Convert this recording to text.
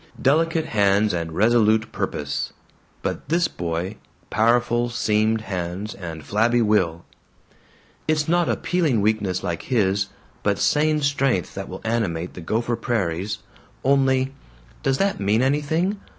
Delicate hands and resolute purpose. But this boy powerful seamed hands and flabby will. "It's not appealing weakness like his, but sane strength that will animate the Gopher Prairies. Only Does that mean anything?